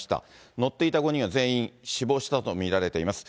乗っていた５人は全員、死亡したと見られています。